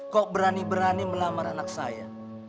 kok berani berani melamar anak saya